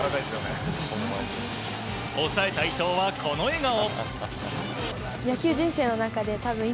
抑えた伊藤は、この笑顔。